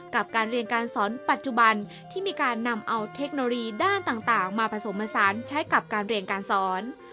กับการเรียนการสอนปัจจุบันที่มีการนำเอาเทคโนโลยีด้านต่างมาผสมผสานใช้กับการเรียนการสอน